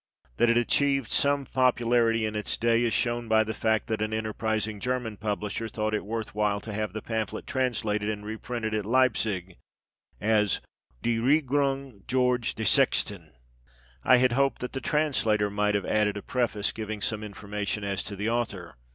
That it achieved some popularity in its day is shown by the fact that an enterprising German publisher thought it worth while to have the pamphlet translated and reprinted at Leipzig as " Die Regierung Georg des Sechsten." I had hoped that the translator might have added a preface giving some information as to the author.